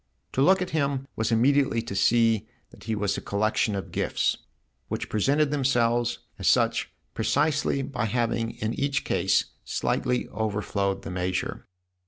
To look at him was immediately to see that he was a collection of gifts, which presented themselves as such precisely by having in each case slightly over flowed the measure.